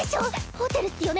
⁉ホテルっスよね？